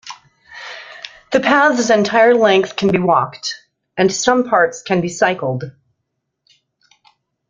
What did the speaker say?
The path's entire length can be walked, and some parts can be cycled.